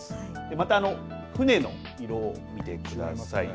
また、船の色を見てください。